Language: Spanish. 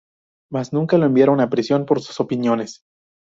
Mas, nunca lo enviaron a prisión por sus opiniones.